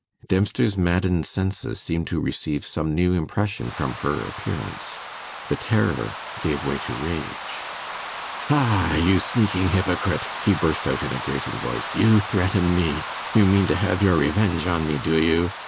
Dempster's maddened senses seemed to receive some new impression from her appearance. The terror gave way to rage. 'Ha! you sneaking hypocrite!' he burst out in a grating voice, 'you threaten me ... you mean to have your revenge on me, do you?